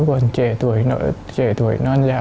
còn trẻ tuổi non dạ